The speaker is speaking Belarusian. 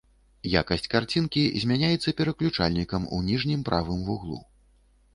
Якасць карцінкі змяняецца пераключальнікам у ніжнім правым вуглу.